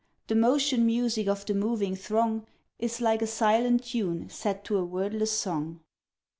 The motion music of the moving throng, Is like a silent tune, set to a wordless song.